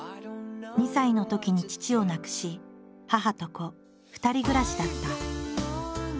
２歳のときに父を亡くし母と子２人暮らしだった。